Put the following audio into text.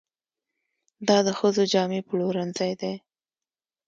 دا د ښځو جامې پلورنځی دی.